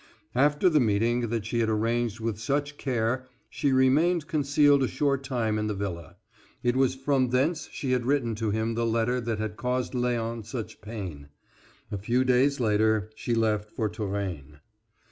After the meeting that she had arranged with such care she remained concealed a short time in the villa. It was from thence she had written to him the letter that had caused Léon so much pain. A few days later, she left for Touraine.